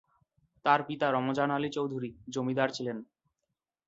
তার পিতা রমজান আলী চৌধুরী জমিদার ছিলেন।